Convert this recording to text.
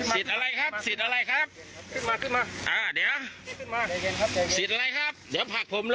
สิทธิ์อะไรครับเดี๋ยวผักผมล้มนะครับ